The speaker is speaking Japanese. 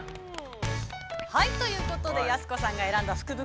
◆ということでやす子さんが選んだ福袋。